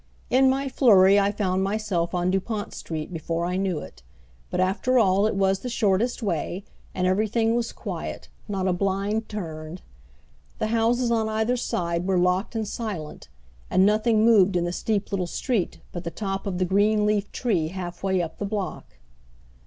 In my flurry I found myself on Dupont Street before I knew it; but after all it was the shortest way, and everything was quiet, not a blind turned. The houses on either hand were locked and silent, and nothing moved in the steep little street but the top of the green leafed tree half way up the block.